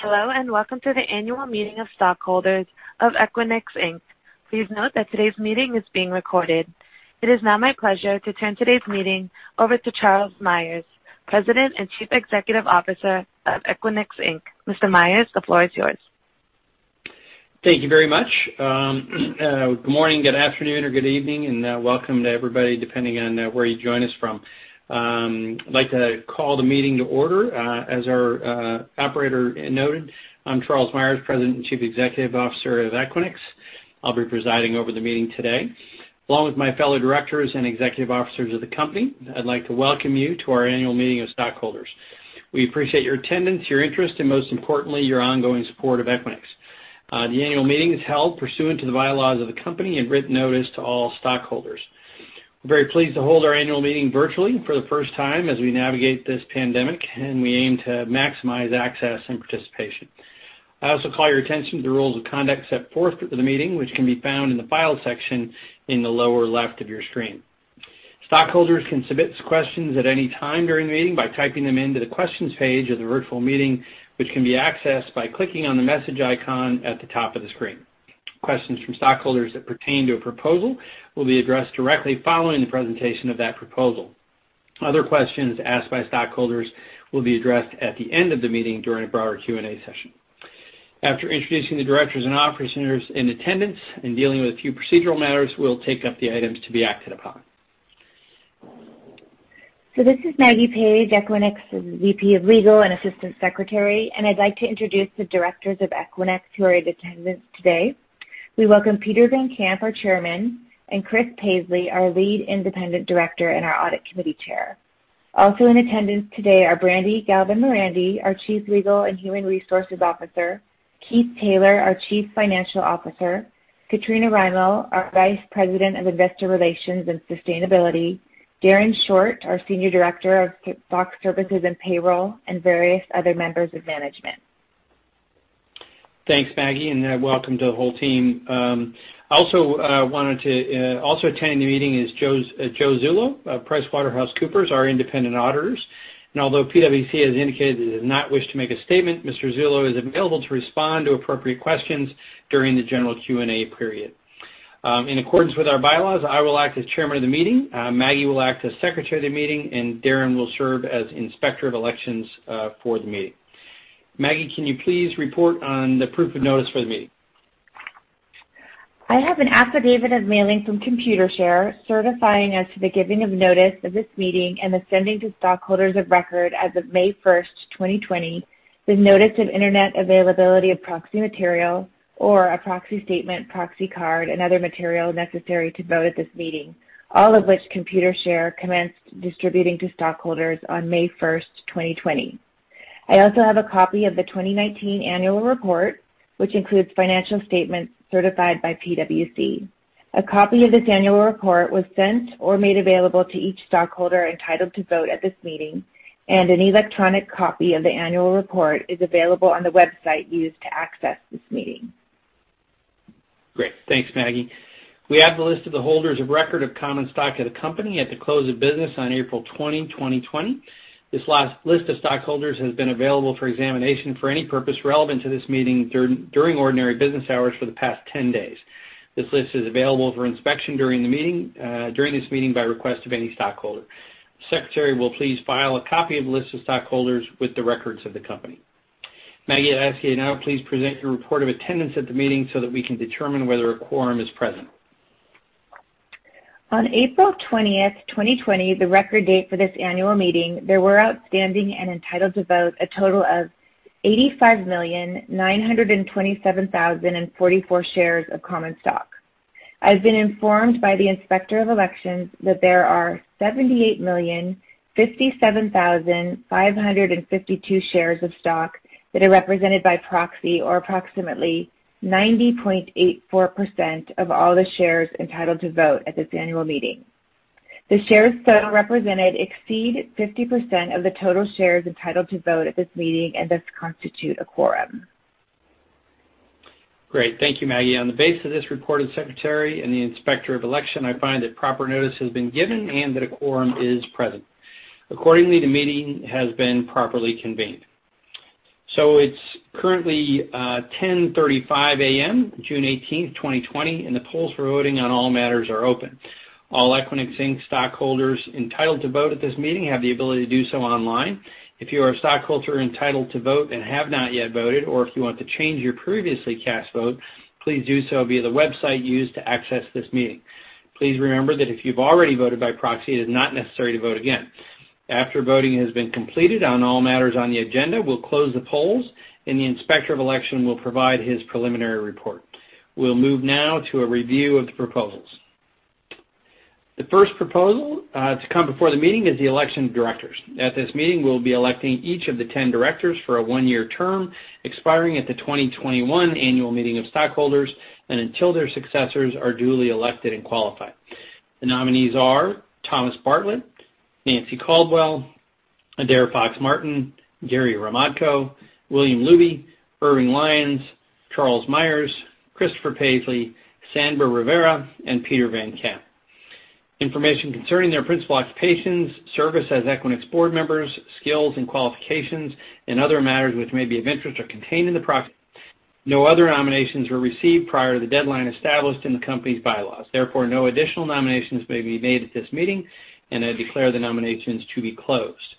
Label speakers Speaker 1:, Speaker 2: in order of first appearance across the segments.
Speaker 1: Hello, welcome to the annual meeting of stockholders of Equinix, Inc. Please note that today's meeting is being recorded. It is now my pleasure to turn today's meeting over to Charles Meyers, President and Chief Executive Officer of Equinix, Inc. Mr. Meyers, the floor is yours.
Speaker 2: Thank you very much. Good morning, good afternoon, or good evening, welcome to everybody, depending on where you join us from. I'd like to call the meeting to order. As our operator noted, I'm Charles Meyers, President and Chief Executive Officer of Equinix. I'll be presiding over the meeting today. Along with my fellow directors and executive officers of the company, I'd like to welcome you to our annual meeting of stockholders. We appreciate your attendance, your interest, and most importantly, your ongoing support of Equinix. The annual meeting is held pursuant to the bylaws of the company and written notice to all stockholders. We're very pleased to hold our annual meeting virtually for the first time as we navigate this pandemic, we aim to maximize access and participation. I also call your attention to the rules of conduct set forth for the meeting, which can be found in the Files section in the lower left of your screen. Stockholders can submit questions at any time during the meeting by typing them into the Questions page of the virtual meeting, which can be accessed by clicking on the message icon at the top of the screen. Questions from stockholders that pertain to a proposal will be addressed directly following the presentation of that proposal. Other questions asked by stockholders will be addressed at the end of the meeting during a broader Q&A session. After introducing the directors and officers in attendance and dealing with a few procedural matters, we'll take up the items to be acted upon.
Speaker 3: This is Maggie Paige, Equinix's VP of Legal and Assistant Secretary, I'd like to introduce the directors of Equinix who are in attendance today. We welcome Peter Van Camp, our chairman, Chris Paisley, our lead independent director and our audit committee chair. Also in attendance today are Brandi Galvin Morandi, our Chief Legal and Human Resources Officer, Keith Taylor, our Chief Financial Officer, Katrina Rymel, our Vice President of Investor Relations and Sustainability, Darren Short, our Senior Director of Stock Services and Payroll, various other members of management.
Speaker 2: Thanks, Maggie, welcome to the whole team. Also attending the meeting is Joe Zullo of PricewaterhouseCoopers, our independent auditors. Although PwC has indicated that it does not wish to make a statement, Mr. Zullo is available to respond to appropriate questions during the general Q&A period. In accordance with our bylaws, I will act as chairman of the meeting. Maggie will act as secretary of the meeting, and Darren will serve as inspector of elections for the meeting. Maggie, can you please report on the proof of notice for the meeting?
Speaker 3: I have an affidavit of mailing from Computershare certifying as to the giving of notice of this meeting and the sending to stockholders of record as of May 1st, 2020, the notice of Internet availability of proxy material or a proxy statement, proxy card, and other material necessary to vote at this meeting, all of which Computershare commenced distributing to stockholders on May 1st, 2020. I also have a copy of the 2019 annual report, which includes financial statements certified by PwC. A copy of this annual report was sent or made available to each stockholder entitled to vote at this meeting, and an electronic copy of the annual report is available on the website used to access this meeting.
Speaker 2: Great. Thanks, Maggie. We have the list of the holders of record of common stock at a company at the close of business on April 20, 2020. This list of stockholders has been available for examination for any purpose relevant to this meeting during ordinary business hours for the past 10 days. This list is available for inspection during this meeting by request of any stockholder. The secretary will please file a copy of the list of stockholders with the records of the company. Maggie, I'd ask you now please present your report of attendance at the meeting so that we can determine whether a quorum is present.
Speaker 3: On April 20th, 2020, the record date for this annual meeting, there were outstanding and entitled to vote a total of 85,927,044 shares of common stock. I've been informed by the Inspector of Elections that there are 78,057,552 shares of stock that are represented by proxy, or approximately 90.84% of all the shares entitled to vote at this annual meeting. The shares so represented exceed 50% of the total shares entitled to vote at this meeting and, thus, constitute a quorum.
Speaker 2: Great. Thank you, Maggie. On the basis of this report of the secretary and the Inspector of Election, I find that proper notice has been given and that a quorum is present. Accordingly, the meeting has been properly convened. It's currently 10:35 A.M., June 18th, 2020, and the polls for voting on all matters are open. All Equinix, Inc. stockholders entitled to vote at this meeting have the ability to do so online. If you are a stockholder entitled to vote and have not yet voted, or if you want to change your previously cast vote, please do so via the website used to access this meeting. Please remember that if you've already voted by proxy, it is not necessary to vote again. After voting has been completed on all matters on the agenda, we'll close the polls, and the Inspector of Election will provide his preliminary report. We'll move now to a review of the proposals. The first proposal to come before the meeting is the election of directors. At this meeting, we'll be electing each of the 10 directors for a one-year term expiring at the 2021 annual meeting of stockholders and until their successors are duly elected and qualified. The nominees are Thomas Bartlett, Nanci Caldwell, Adaire Fox-Martin, Gary Hromadko, William Luby, Irving Lyons, Charles Meyers, Christopher Paisley, Sandra Rivera, and Peter Van Camp. Information concerning their principal occupations, service as Equinix board members, skills and qualifications, and other matters which may be of interest are contained in the proxy. No other nominations were received prior to the deadline established in the company's bylaws. Therefore, no additional nominations may be made at this meeting, and I declare the nominations to be closed.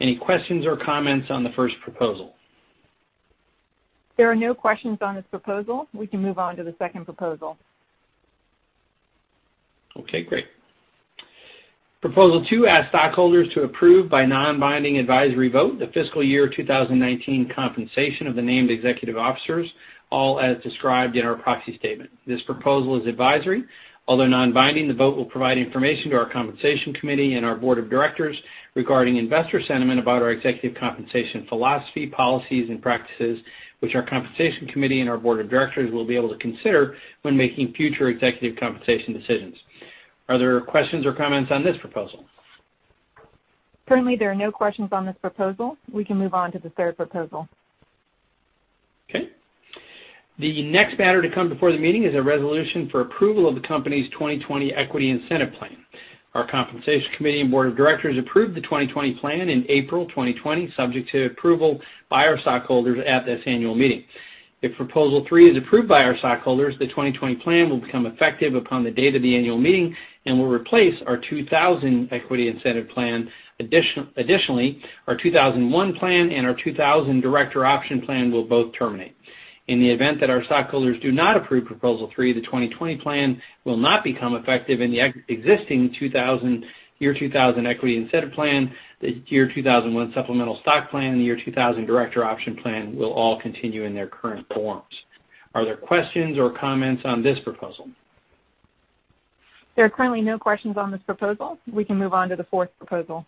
Speaker 2: Any questions or comments on the first proposal?
Speaker 1: There are no questions on this proposal. We can move on to the second proposal.
Speaker 2: Okay, great. Proposal two asks stockholders to approve by non-binding advisory vote the fiscal year 2019 compensation of the named executive officers, all as described in our proxy statement. This proposal is advisory. Although non-binding, the vote will provide information to our Compensation Committee and our Board of Directors regarding investor sentiment about our executive compensation philosophy, policies, and practices, which our Compensation Committee and our Board of Directors will be able to consider when making future executive compensation decisions. Are there questions or comments on this proposal?
Speaker 1: Currently, there are no questions on this proposal. We can move on to the third proposal.
Speaker 2: Okay. The next matter to come before the meeting is a resolution for approval of the company's 2020 Equity Incentive Plan. Our Compensation Committee and Board of Directors approved the 2020 Plan in April 2020, subject to approval by our stockholders at this annual meeting. If proposal three is approved by our stockholders, the 2020 Plan will become effective upon the date of the annual meeting and will replace our 2000 Equity Incentive Plan. Our 2001 Plan and our 2000 Director Option Plan will both terminate. In the event that our stockholders do not approve proposal three, the 2020 Plan will not become effective, and the existing year 2000 Equity Incentive Plan, the year 2001 Supplemental Stock Plan, the year 2000 Director Option Plan will all continue in their current forms. Are there questions or comments on this proposal?
Speaker 1: There are currently no questions on this proposal. We can move on to the fourth proposal.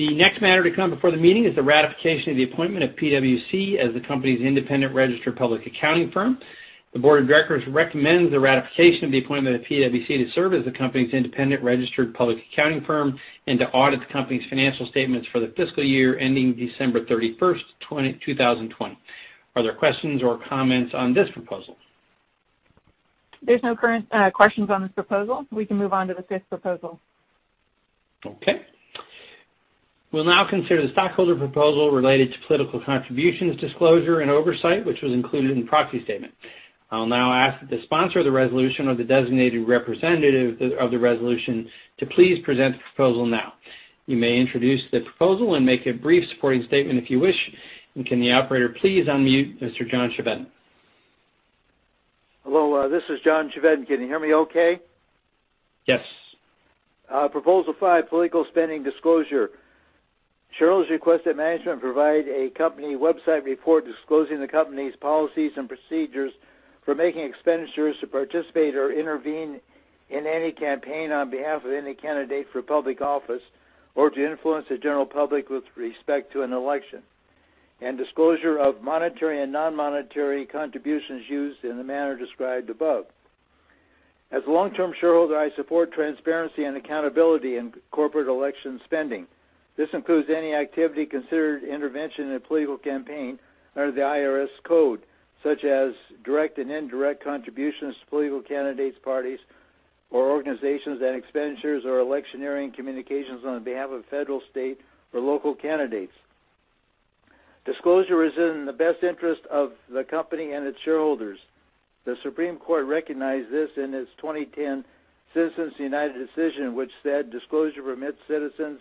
Speaker 2: Great. The next matter to come before the meeting is the ratification of the appointment of PwC as the company's independent registered public accounting firm. The Board of Directors recommends the ratification of the appointment of PwC to serve as the company's independent registered public accounting firm and to audit the company's financial statements for the fiscal year ending December 31st, 2020. Are there questions or comments on this proposal?
Speaker 1: There's no current questions on this proposal. We can move on to the fifth proposal.
Speaker 2: Okay. We'll now consider the stockholder proposal related to political contributions disclosure and oversight, which was included in the proxy statement. I'll now ask that the sponsor of the resolution or the designated representative of the resolution to please present the proposal now. You may introduce the proposal and make a brief supporting statement if you wish. Can the operator please unmute Mr. John Chevedden?
Speaker 4: Hello, this is John Chevedden. Can you hear me okay?
Speaker 2: Yes.
Speaker 4: Proposal five, political spending disclosure. Shareholders request that management provide a company website report disclosing the company's policies and procedures for making expenditures to participate or intervene in any campaign on behalf of any candidate for public office, or to influence the general public with respect to an election. Disclosure of monetary and non-monetary contributions used in the manner described above. As a long-term shareholder, I support transparency and accountability in corporate election spending. This includes any activity considered intervention in a political campaign under the IRS code, such as direct and indirect contributions to political candidates, parties, or organizations and expenditures or electioneering communications on behalf of federal, state, or local candidates. Disclosure is in the best interest of the company and its shareholders. The Supreme Court recognized this in its 2010 Citizens United decision, which said disclosure permits citizens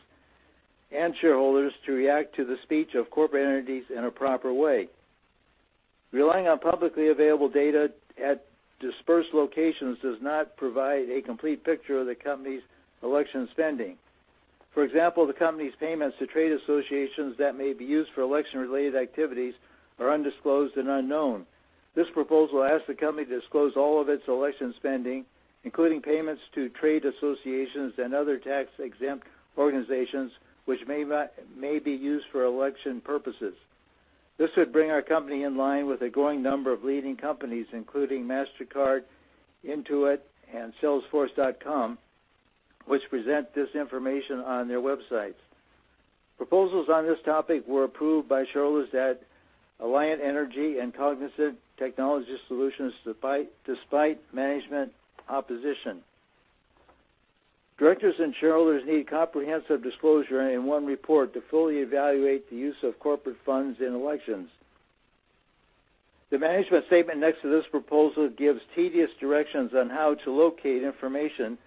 Speaker 4: and shareholders to react to the speech of corporate entities in a proper way. Relying on publicly available data at dispersed locations does not provide a complete picture of the company's election spending. For example, the company's payments to trade associations that may be used for election-related activities are undisclosed and unknown. This proposal asks the company to disclose all of its election spending, including payments to trade associations and other tax-exempt organizations, which may be used for election purposes. This would bring our company in line with a growing number of leading companies, including Mastercard, Intuit, and Salesforce, which present this information on their websites. Proposals on this topic were approved by shareholders at Alliant Energy and Cognizant Technology Solutions despite management opposition. Directors and shareholders need comprehensive disclosure in one report to fully evaluate the use of corporate funds in elections. The management statement next to this proposal gives tedious directions on how to locate information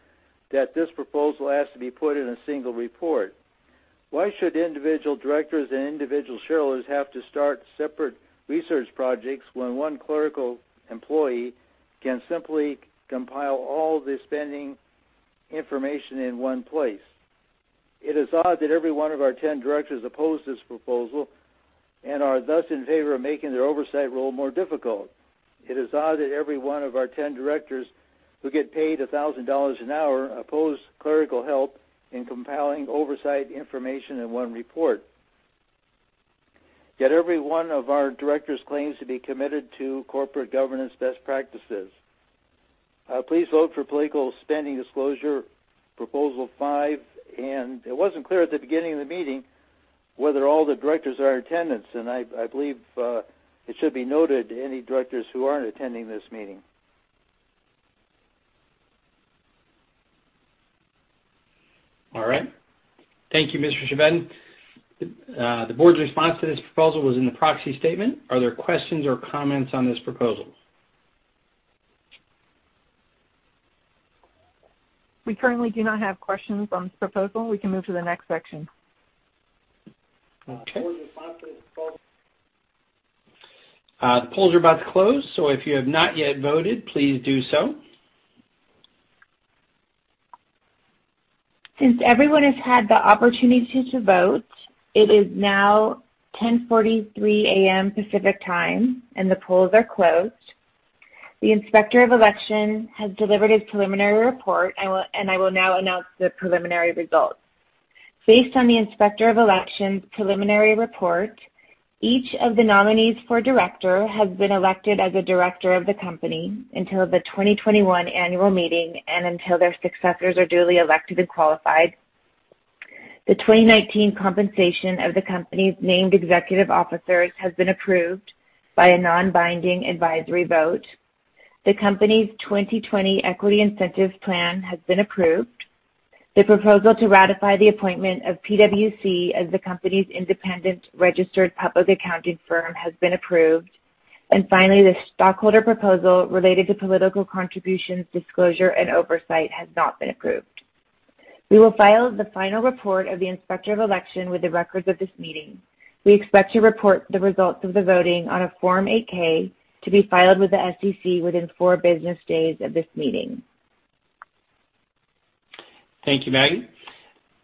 Speaker 4: that this proposal asks to be put in a single report. Why should individual directors and individual shareholders have to start separate research projects when one clerical employee can simply compile all the spending information in one place? It is odd that every one of our 10 directors oppose this proposal and are thus in favor of making their oversight role more difficult. It is odd that every one of our 10 directors, who get paid $1,000 an hour, oppose clerical help in compiling oversight information in one report. Every one of our directors claims to be committed to corporate governance best practices. Please vote for political spending disclosure, proposal five. It wasn't clear at the beginning of the meeting whether all the directors are in attendance. I believe it should be noted any directors who aren't attending this meeting.
Speaker 2: All right. Thank you, Mr. Chevedden. The board's response to this proposal was in the proxy statement. Are there questions or comments on this proposal?
Speaker 1: We currently do not have questions on this proposal. We can move to the next section.
Speaker 2: Okay. The polls are about to close. If you have not yet voted, please do so.
Speaker 3: Since everyone has had the opportunity to vote, it is now 10:43 A.M. Pacific Time. The polls are closed. The Inspector of Election has delivered his preliminary report. I will now announce the preliminary results. Based on the Inspector of Election's preliminary report, each of the nominees for director has been elected as a director of the company until the 2021 annual meeting and until their successors are duly elected and qualified. The 2019 compensation of the company's named executive officers has been approved by a non-binding advisory vote. The company's 2020 Equity Incentive Plan has been approved. The proposal to ratify the appointment of PwC as the company's independent registered public accounting firm has been approved. Finally, the stockholder proposal related to political contributions disclosure and oversight has not been approved. We will file the final report of the Inspector of Election with the records of this meeting. We expect to report the results of the voting on a Form 8-K to be filed with the SEC within four business days of this meeting.
Speaker 2: Thank you, Maggie.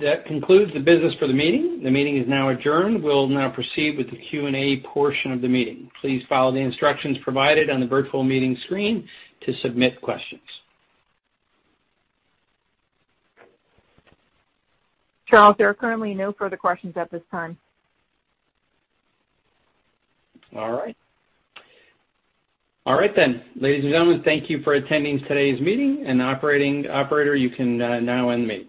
Speaker 2: That concludes the business for the meeting. The meeting is now adjourned. We'll now proceed with the Q&A portion of the meeting. Please follow the instructions provided on the virtual meeting screen to submit questions.
Speaker 1: Charles, there are currently no further questions at this time.
Speaker 2: All right. All right. Ladies and gentlemen, thank you for attending today's meeting and operator, you can now end the meeting.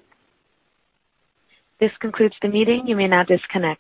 Speaker 1: This concludes the meeting. You may now disconnect.